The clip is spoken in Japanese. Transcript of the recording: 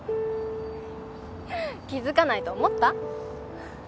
気付かないと思った？